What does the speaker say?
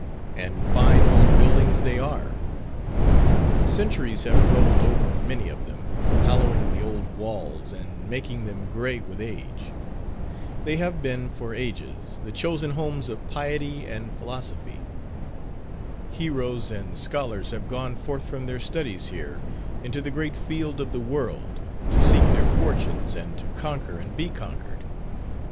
And fine old buildings they are: centuries have rolled over many of them, hallowing the old walls, and making them grey with age. They have been for ages the chosen homes of piety and philosophy. Heroes and scholars have gone forth from their studies here, into the great field of the world, to seek their fortunes, and to conquer and be conquered.